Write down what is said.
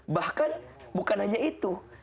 bahkan bukan hanya itu